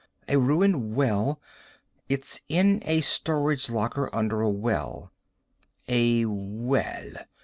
A ruined well. It's in a storage locker under a well." "A well."